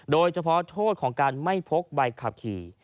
โดยเฉพาะโทษของการไม่พกใบขับขี่